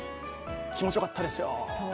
気持ちよかったですよ。